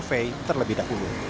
turvei terlebih dahulu